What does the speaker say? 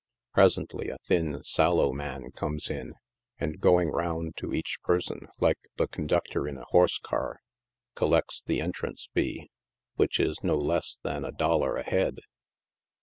Presently a thin, sallow man comes in, and, going round to each person, like the conductor in a horse car, col lects the entrance fee, which is no less than a dollar a head.